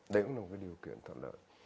đấy cũng là một cái điều kiện thật lợi